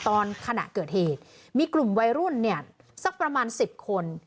ขณะเกิดเหตุมีกลุ่มวัยรุ่นเนี่ยสักประมาณ๑๐คน